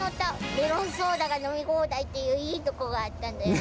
メロンソーダが飲み放題っていういいとこがあったんだよね。